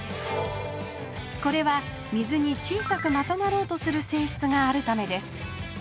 これは水に小さくまとまろうとするせいしつがあるためです